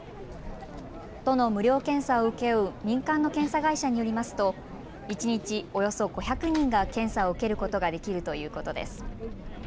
都の無料検査を請け負う民間の検査会社によりますと一日およそ５００人が検査を受けることができるということです。